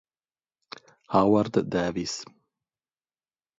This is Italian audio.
Howard Davis